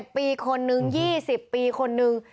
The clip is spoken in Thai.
๑๗ปีคนหนึ่ง๒๐ปีคนหนึ่ง